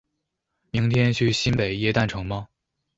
明天去新北耶诞城吗？